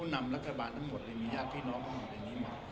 คุณนำรัฐบาลทั้งหมดมีงียากพี่น้องมีแบบนี้เลย